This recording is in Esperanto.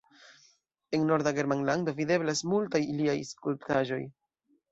En Norda Germanlando videblas multaj liaj skulptaĵoj.